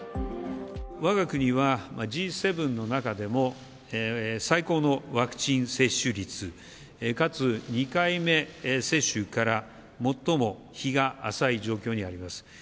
わが国はＧ７の中でも最高のワクチン接種率、かつ２回目接種から最も日が浅い状況にあります。